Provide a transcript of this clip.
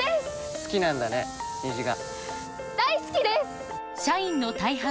好きなんだね虹が。